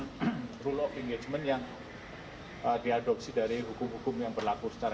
diadopsi dari hukum hukum yang berlaku secara internasional maupun asianal